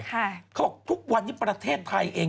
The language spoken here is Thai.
เขาบอกทุกวันนี้ประเทศไทยเอง